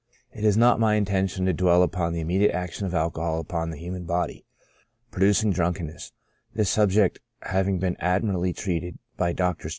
It is not my intention to dwell upon the immediate action of alcohol upon the human body, producing drunkenness ; this subject having been admirably treated by Drs.